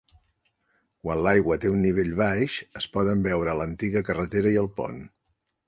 Quan l'aigua té un nivell baix, es poden veure l'antiga carretera i el pont.